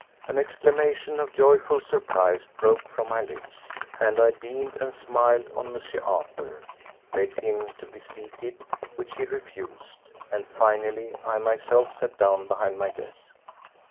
An exclamation of joyful surprise broke from my lips, and I beamed and smiled on M. Arthur, begged him to be seated, which he refused, and finally I myself sat down behind my desk.